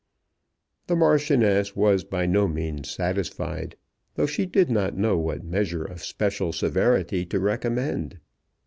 The Marchioness was by no means satisfied, though she did not know what measure of special severity to recommend.